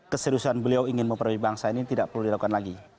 keseriusan beliau ingin memperoleh bangsa ini tidak perlu dilakukan lagi